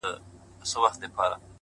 مـــــه كـــــوه او مـــه اشـــنـــا-